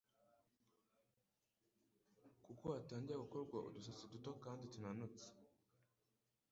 kuko hatangira gukorwa udusatsi duto kandi tunanutse